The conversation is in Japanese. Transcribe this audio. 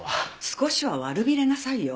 少しは悪びれなさいよ。